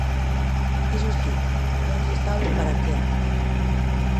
Iso si, non se sabe para que ano.